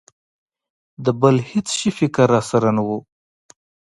د بل هېڅ شي فکر را سره نه و.